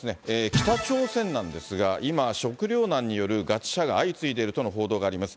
北朝鮮なんですが、今、食糧難による餓死者が相次いでいるという報道があります。